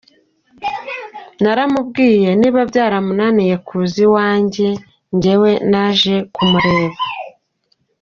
Naramubwiye, niba byaramunaniye kuza iwanjye, njyewe naje kumureba.